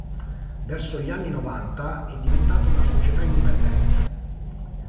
Verso gli anni novanta è diventata una società indipendente.